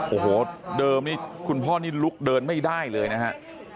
โอ้โหเดิมนี่คุณพ่อนี่ลุกเดินไม่ได้เลยนะฮะ